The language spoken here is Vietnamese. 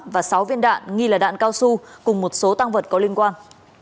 và sáu viên đạn nghi là đạn cao su cùng một số tăng vật có liên quan